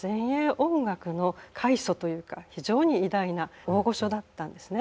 音楽の開祖というか非常に偉大な大御所だったんですね。